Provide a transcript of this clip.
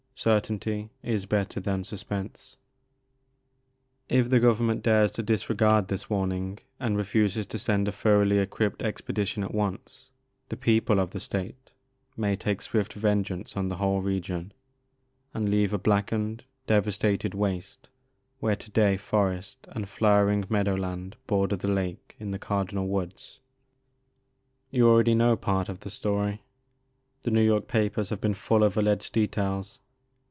Certainty is better than suspense. If the Government dares to disregard this warn ing and refuses to send a thoroughly equipped expedition at once, the people of the State may take swift vengeance on the whole region and leave a blackened devastated waste where to day forest and flowering meadow land border the lake in the Cardinal Woods. 2 The Maker of Moons. You already know part of the story ; the New York papers have been full of alleged details.